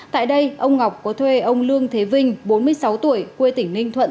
tại đây ông ngọc có thuê ông lương thế vinh bốn mươi sáu tuổi quê tỉnh ninh thuận